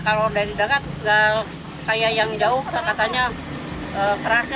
kalau dari dekat kayak yang jauh katanya kerasnya